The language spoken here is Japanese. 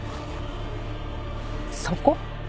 そこ？